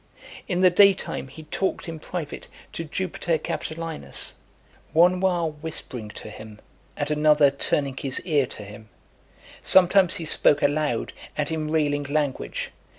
In the day time he talked in private to Jupiter Capitolinus; one while whispering to him, and another turning his ear to him: sometimes he spoke aloud, and in railing language.